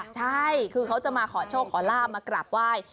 ใช่คือเขาจะมาขอโชคขอลาบมากราบไหว้